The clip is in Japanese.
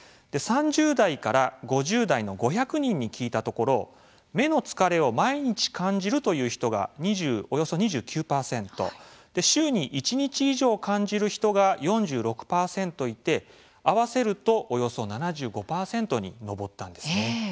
３０代から５０代の５００人に聞いたところ目の疲れを毎日感じるという人がおよそ２９％週に１日以上感じる人が４６％いて、合わせるとおよそ７５％に上ったんですね。